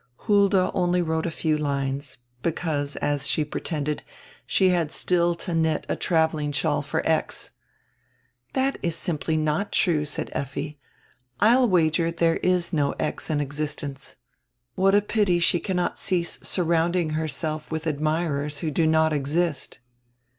Hulda only wrote a few lines, because, as she pretended, she had still to knit a traveling shawl for X. "That is simply not true," said Effi, "I'll wager, diere is no X in existence. What a pity she cannot cease surrounding herself with admirers who do not exist.!"